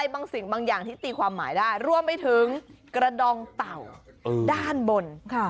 บางสิ่งบางอย่างที่ตีความหมายได้รวมไปถึงกระดองเต่าด้านบน